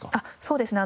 そうですね。